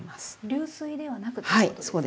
流水ではなくということですね。